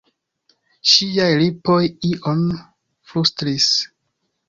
Ŝiaj lipoj ion flustris.